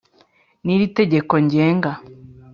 N iri tegeko ngenga